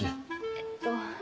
えっと。